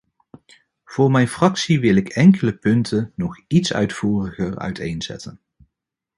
Voor mijn fractie wil ik enkele punten nog iets uitvoeriger uiteenzetten.